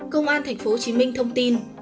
công an tp hcm thông tin